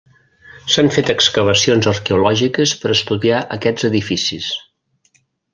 S'han fet excavacions arqueològiques per estudiar aquests edificis.